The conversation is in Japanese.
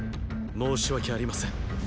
申し訳ありません。